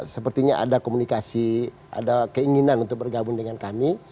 sepertinya ada komunikasi ada keinginan untuk bergabung dengan kami